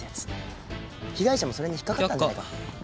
被害者もそれに引っかかったんじゃ。